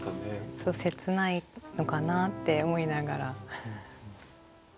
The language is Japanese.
切ないのかなって思いながら。